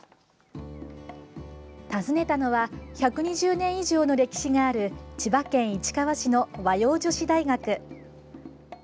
訪ねたのは１２０年以上の歴史がある千葉県市川市の和洋女子大学。